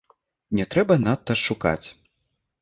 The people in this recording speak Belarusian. Не трэба надта шукаць.